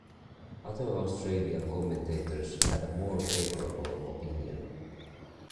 Other Australian commentators had a more favourable opinion.